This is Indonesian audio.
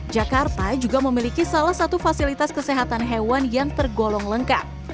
jakarta juga memiliki salah satu fasilitas kesehatan hewan yang tergolong lengkap